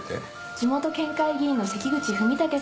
地元県会議員の関口文武先生。